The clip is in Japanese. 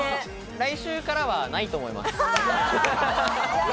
来週からはないと思います。